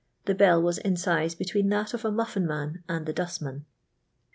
The bell was in size between that of the mufHn man and the dastman.